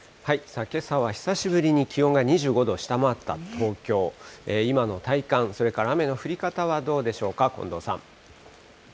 けさは久しぶりに気温が２５度を下回った東京、今の体感、それから雨の降り方はどうでしょうか、近藤さん。